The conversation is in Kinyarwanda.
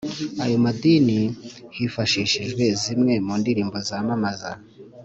ayo madini, hifashishijwe zimwe mu ndirimbo zamamaza